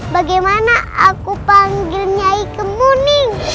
bagaimana aku panggil nyai kemuning